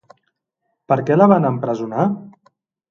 Per què la van empresonar?